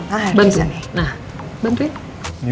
bantu nah bantuin